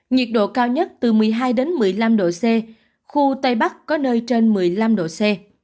nhiệt độ cao nhất từ một mươi hai một mươi năm độ c khu tây bắc có nơi trên một mươi năm độ c